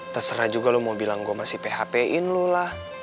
terserah juga lo mau bilang gue masih php in lo lah